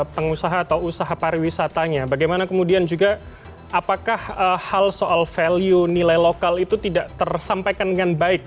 pengusaha atau usaha pariwisatanya bagaimana kemudian juga apakah hal soal value nilai lokal itu tidak tersampaikan dengan baik